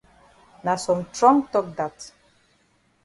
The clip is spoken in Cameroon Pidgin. Na some trong tok dat.